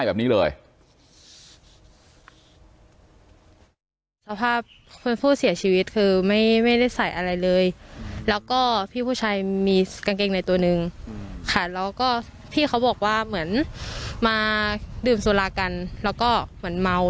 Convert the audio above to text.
ดื่มสัลลากันเหมือนเหม่าเมา